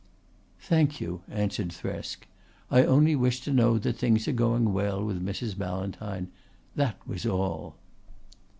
"Thank you," answered Thresk. "I only wished to know that things are going well with Mrs. Ballantyne that was all."